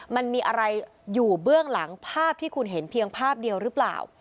มันมีอะไรอยู่เบื้องหลังภาพที่คุณเห็นเพียงภาพเดียวหรือเปล่า